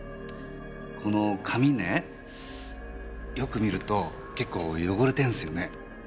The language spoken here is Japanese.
この紙ねよく見ると結構汚れてるんすよね。ね？